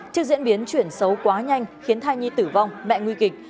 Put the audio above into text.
trước diễn biến chuyển xấu quá nhanh khiến thai nhi tử vong mẹ nguy kịch